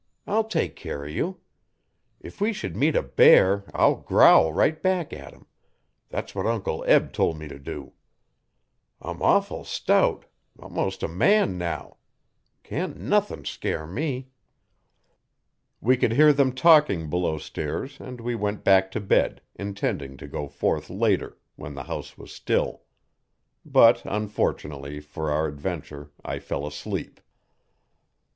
I'll take care o' you. If we should meet a bear I'll growl right back at him that's what Uncle Eb tol' me t' do. I'm awful stout most a man now! Can't nuthin' scare me.' We could hear them talking below stairs and we went back to bed, intending to go forth later when the house was still. But' unfortunately for our adventure I fell asleep.